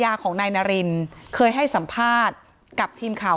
หลองออกมาแค่พัดน้องชมพู่แล้วพราวณ